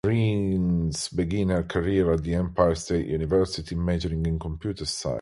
Doreen begins her college career at Empire State University, majoring in computer science.